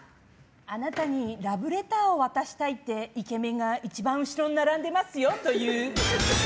あなたにラブレターを渡したいってイケメンが一番後ろに並んでいますよと言う。